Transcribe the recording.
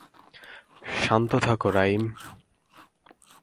শান্ত থাকো, রাইম।